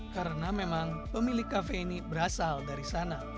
karena memang pemilik kafe ini berasal dari sana